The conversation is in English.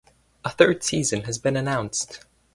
A third season has been announced.